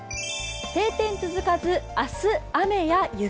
晴天続かず、明日雨や雪。